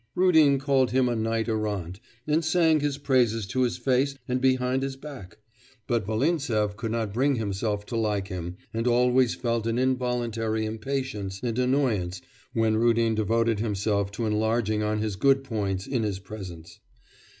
Rudin called him a knight errant, and sang his praises to his face and behind his back; but Volintsev could not bring himself to like him and always felt an involuntary impatience and annoyance when Rudin devoted himself to enlarging on his good points in his presence.